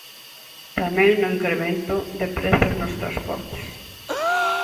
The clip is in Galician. Tamén no incremento de prezos dos transportes.